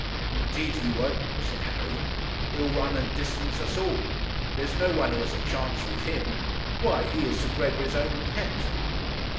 'Indeed he won't,' said Harry. 'He'll run and distance us all. There is no one who has a chance with him. Why, he is Sir Gregory's own pet.'